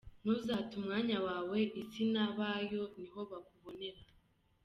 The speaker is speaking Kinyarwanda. Ntuzate umwanya wawe, Isi nabayo niho bakubonera.